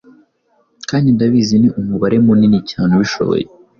kandi ndabizi ni umubare munini cyane ubishoboye